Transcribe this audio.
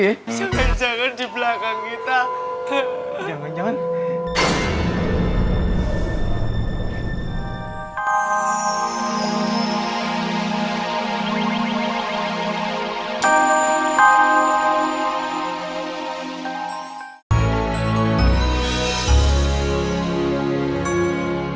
jangan dibelakang kita